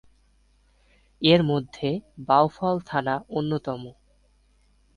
এর মধ্যে বাউফল থানা অন্যতম।